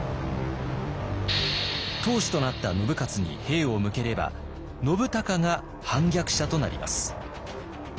当主となった信雄に兵を向ければ信孝が反逆者となります。